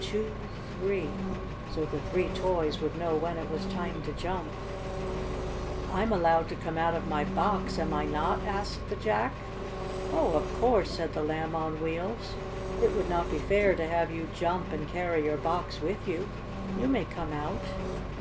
Two! Three!" so the three toys would know when it was time to jump. "I'm allowed to come out of my box, am I not?" asked the Jack. "Oh, of course," said the Lamb on Wheels. "It would not be fair to have you jump and carry your box with you. You may come out."